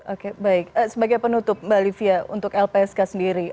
oke baik sebagai penutup mbak olivia untuk lpsk sendiri